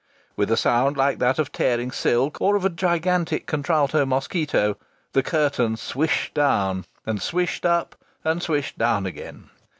With a sound like that of tearing silk, or of a gigantic contralto mosquito, the curtain swished down, and swished up, and swished down again.